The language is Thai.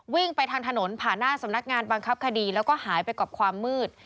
วิ่งไปทางถนนผ่านหน้าสำนักงานบังคับคดีแล้วก็หายไปกับความมืด